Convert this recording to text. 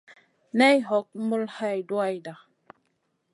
Nay hog mul hay duwayda.